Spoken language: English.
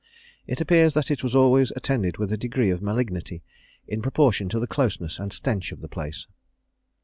It appears that it was always attended with a degree of malignity, in proportion to the closeness and stench of the place.